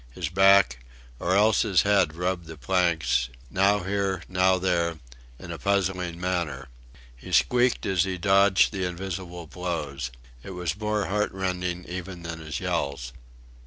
His back or else his head rubbed the planks, now here, now there, in a puzzling manner. He squeaked as he dodged the invisible blows. It was more heartrending even than his yells.